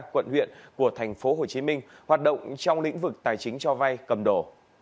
quận huyện của tp hcm hoạt động trong lĩnh vực tài chính cho vay cầm đồ